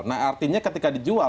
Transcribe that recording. nah artinya ketika dijual